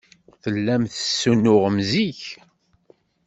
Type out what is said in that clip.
Tellam tessunuɣem zik.